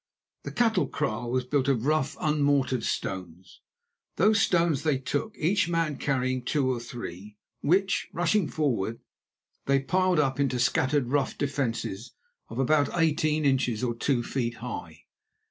The cattle kraal was built of rough, unmortared stones. Those stones they took, each man carrying two or three, which, rushing forward, they piled up into scattered rough defences of about eighteen inches or two feet high.